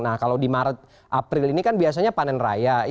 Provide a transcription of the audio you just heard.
nah kalau di maret april ini kan biasanya panen raya